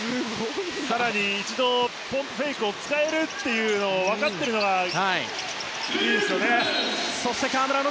更に一度ポンプフェイクを使えるのを分かっているのがいいですよね。